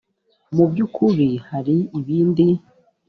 mu by ukuri hari ibindi